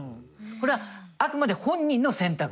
これはあくまで本人の選択です。